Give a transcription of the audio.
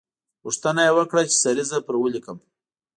غوښتنه یې وکړه چې سریزه پر ولیکم.